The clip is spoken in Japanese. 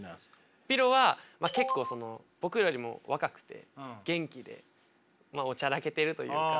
ｐｉｒｏは結構僕よりも若くて元気でおちゃらけてるというか。